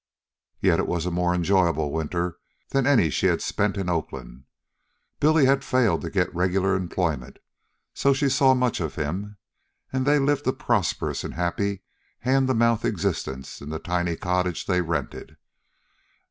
Yet it was a more enjoyable winter than any she had spent in Oakland. Billy had failed to get regular employment; so she saw much of him, and they lived a prosperous and happy hand to mouth existence in the tiny cottage they rented.